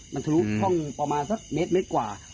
มันทะลุข้องประมาณสักเมตรกว่า